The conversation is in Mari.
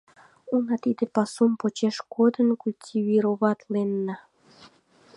— Уна, тиде пасум почеш кодын культивироватленна.